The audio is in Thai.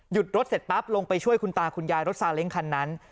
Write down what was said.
รถเสร็จปั๊บลงไปช่วยคุณตาคุณยายรถซาเล้งคันนั้น